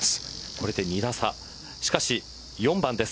これで２打差しかし４番です。